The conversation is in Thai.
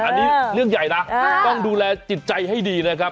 อันนี้เรื่องใหญ่นะต้องดูแลจิตใจให้ดีนะครับ